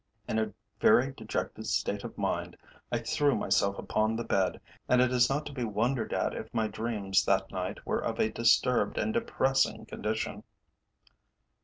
In a very dejected state of mind I threw myself upon the bed, and it is not to be wondered at if my dreams that night were of a disturbed and depressing condition.